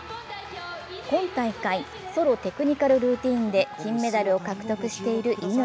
今大会、ソロテクニカルルーティンで金メダルを獲得している乾。